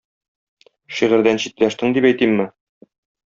Шигырьдән читләштең, дип әйтимме?